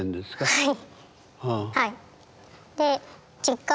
はい。